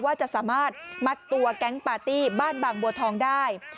ว่าจะสามารถมัดตัวแก๊งปาร์ตี้บ้านบางบัวทองได้